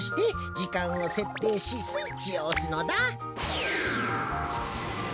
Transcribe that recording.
じかんをせっていしスイッチをおすのだ。